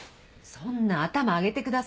そんな頭上げてくださいよ。